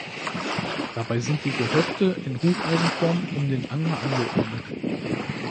Dabei sind die Gehöfte in Hufeisenform um den Anger angeordnet.